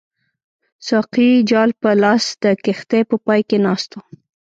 ساقي جال په لاس د کښتۍ په پای کې ناست وو.